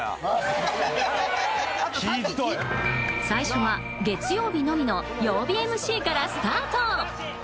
最初は月曜日のみの曜日ＭＣからスタート。